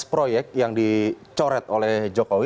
tujuh belas proyek yang dicoret oleh jokowi